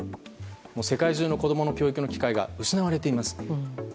世界中の子供の教育の機会が失われています。